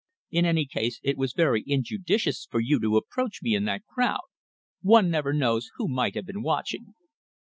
In any case, it was very injudicious for you to approach me in that crowd. One never knows who might have been watching."